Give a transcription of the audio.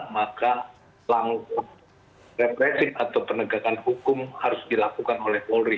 maka langkah represif atau penegakan hukum harus dilakukan oleh polri